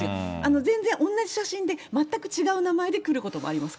全然同じ写真で全く違う名前で来ることもありますよ。